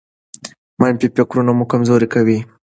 منفي فکرونه مو کمزوري کوي.